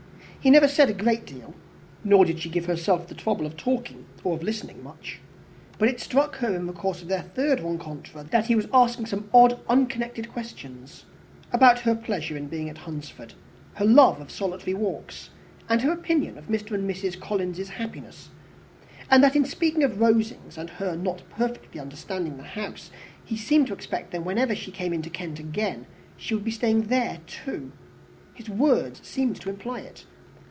He never said a great deal, nor did she give herself the trouble of talking or of listening much; but it struck her in the course of their third rencounter that he was asking some odd unconnected questions about her pleasure in being at Hunsford, her love of solitary walks, and her opinion of Mr. and Mrs. Collins's happiness; and that in speaking of Rosings, and her not perfectly understanding the house, he seemed to expect that whenever she came into Kent again she would be staying there too. His words seemed to imply it.